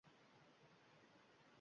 Keyin o‘kirib yig‘lab yubordi.